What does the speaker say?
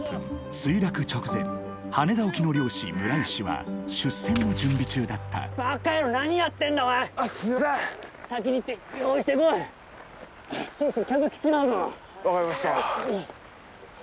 墜落直前羽田沖の漁師村石は出船の準備中だったバカ野郎何やってんだお前すいません先に行って用意してこいそろそろ客来ちまうぞ分かりました